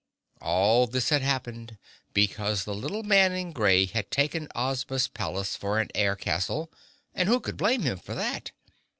All this had happened because the little man in gray had taken Ozma's palace for an air castle, and who could blame him for that?